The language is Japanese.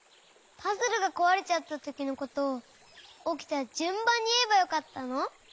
パズルがこわれちゃったときのことをおきたじゅんばんにいえばよかったの？